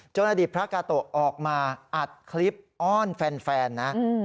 จนอดิษฐ์พระกาโตะออกมาอัดคลิปอ้อนแฟน